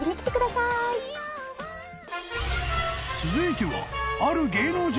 ［続いては］